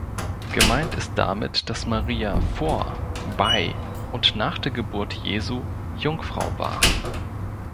Gemeint ist damit, dass Maria "vor", bei und nach der Geburt Jesu Jungfrau war.